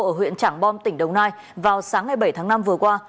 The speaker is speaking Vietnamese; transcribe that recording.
ở huyện trảng bom tỉnh đồng nai vào sáng ngày bảy tháng năm vừa qua